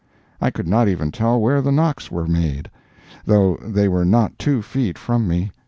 I could not even tell where the knocks were made, though they were not two feet from me.